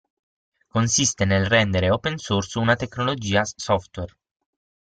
Consiste nel rendere open source una tecnologia software.